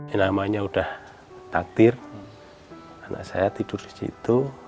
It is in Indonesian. ini namanya sudah takdir anak saya tidur di situ